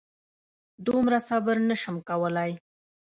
دومره صبر نه شم کولی.